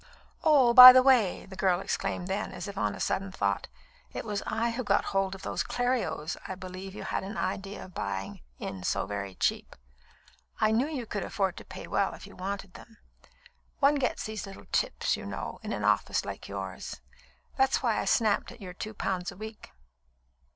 "Oh! by the way," the girl exclaimed then, as if on a sudden thought. "It was I who got hold of those Clerios I believe you had an idea of buying in so very cheap. I knew you could afford to pay well if you wanted them. One gets these little tips, you know, in an office like yours. That's why I snapped at your two pounds a week.